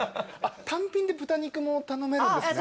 単品で豚肉も頼めるんですね。